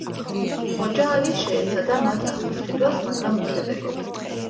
ხოჯა ალი შეეცადა მათ გამოსყიდვას, მაგრამ უშედეგოდ.